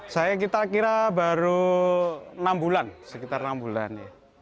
saya kita kira baru enam bulan sekitar enam bulan